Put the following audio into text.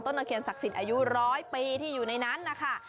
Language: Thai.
ตะเคียนศักดิ์สิทธิ์อายุร้อยปีที่อยู่ในนั้นนะคะ